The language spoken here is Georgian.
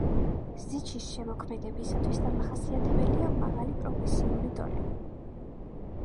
ზიჩის შემოქმედებისათვის დამახასიათებელია მაღალი პროფესიული დონე.